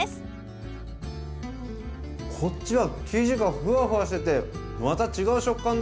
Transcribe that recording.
こっちは生地がフワフワしててまた違う食感だ！